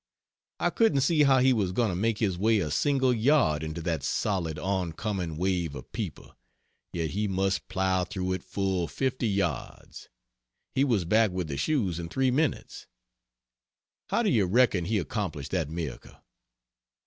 I couldn't see how he was going to make his way a single yard into that solid oncoming wave of people yet he must plow through it full 50 yards. He was back with the shoes in 3 minutes! How do you reckon he accomplished that miracle?